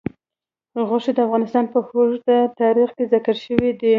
غوښې د افغانستان په اوږده تاریخ کې ذکر شوی دی.